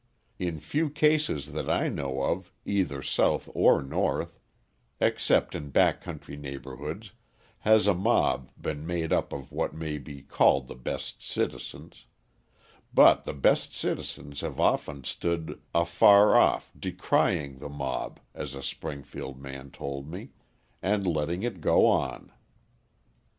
In few cases that I know of, either South or North, except in back country neighbourhoods, has a mob been made up of what may be called the best citizens; but the best citizens have often stood afar off "decrying the mob" as a Springfield man told me and letting it go on.